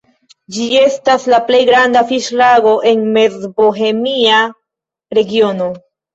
Ĝi estas la plej granda fiŝlago en Mezbohemia regiono.